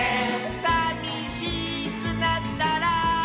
「さみしくなったら」